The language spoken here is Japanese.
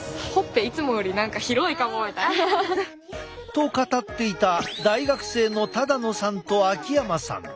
と語っていた大学生の野さんと秋山さん。